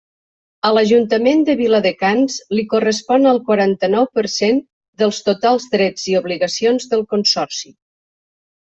A l'Ajuntament de Viladecans li correspon el quaranta-nou per cent dels totals drets i obligacions del Consorci.